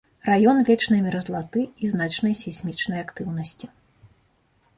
Раён вечнай мерзлаты і значнай сейсмічнай актыўнасці.